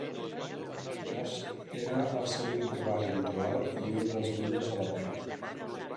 Joost era el seu interbase habitual i un dels líders de l'equip.